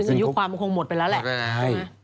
อายุความมันคงหมดไปแล้วแหละใช่ไหม